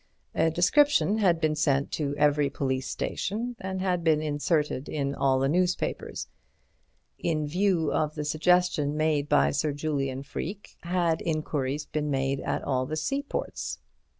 A description had been sent to every police station and had been inserted in all the newspapers. In view of the suggestion made by Sir Julian Freke, had inquiries been made at all the seaports?